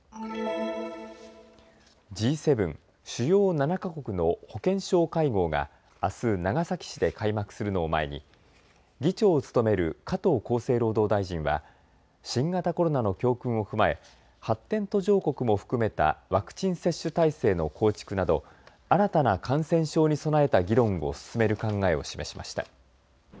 Ｇ７・主要７か国の保健相会合があす長崎市で開幕するのを前に議長を務める加藤厚生労働大臣は新型コロナの教訓を踏まえ発展途上国も含めたワクチン接種体制の構築など新たな感染症に備えた議論を進める考えを示しました。